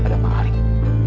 ada apa ari